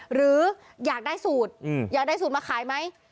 หรืออยากได้สูตรอยากได้สูตรมาขายไหม